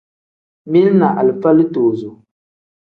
Mili ni alifa litozo.